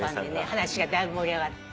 話がだいぶ盛り上がって。